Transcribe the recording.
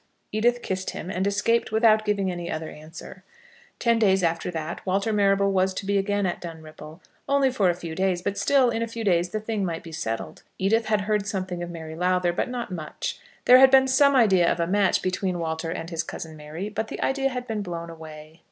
Edith kissed him and escaped without giving any other answer. Ten days after that Walter Marrable was to be again at Dunripple, only for a few days; but still in a few days the thing might be settled. Edith had heard something of Mary Lowther, but not much. There had been some idea of a match between Walter and his cousin Mary, but the idea had been blown away.